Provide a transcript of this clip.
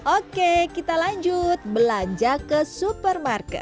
oke kita lanjut belanja ke supermarket